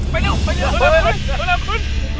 บางทุกคน